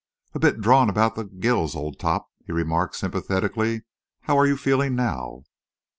"A bit drawn about the gills, old top," he remarked sympathetically. "How are you feeling now?"